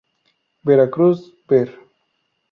Veracruz, Ver.